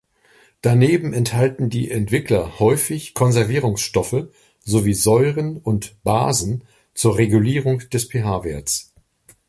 Daneben enthalten die Entwickler häufig Konservierungsstoffe sowie Säuren und Basen zur Regulierung des pH-Werts.